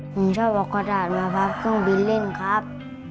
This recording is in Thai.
ผมชอบเอากระดาษมาพับเครื่องบินเล่นครับ